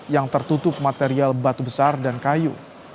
yang tertutup material batu besar dan kayu